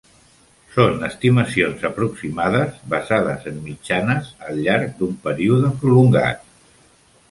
Són estimacions aproximades basades en mitjanes al llarg d'un període prolongat.